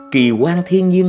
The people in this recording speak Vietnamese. kỳ quan thiên nhiên này